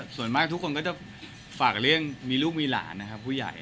ส่วนมากทุกคนก็จะฝากเลี่ยงมีลูกว่ามีหลานผู้ใหญ่